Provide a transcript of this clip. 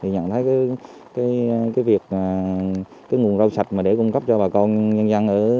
nhận thấy việc nguồn rau sạch để cung cấp cho bà con nhân dân